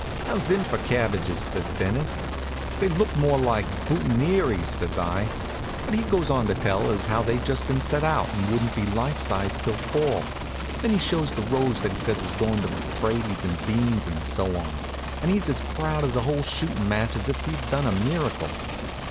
"How's thim for cabbages?" says Dennis. "They look more like boutonnieres," says I. But he goes on to tell as how they'd just been set out and wouldn't be life size till fall. Then he shows the rows that he says was goin' to be praties and beans and so on, and he's as proud of the whole shootin' match as if he'd done a miracle.